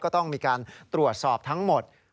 ก็ต้องมีการตรวจสอบทั้งหมด